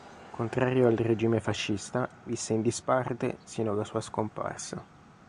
Contrario al regime fascista, visse in disparte sino alla sua scomparsa.